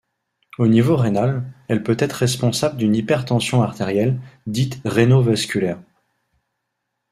Au niveau rénal, elle peut être responsable d'une hypertension artérielle, dite réno-vasculaire.